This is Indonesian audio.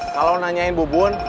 kalau nanyain bu bun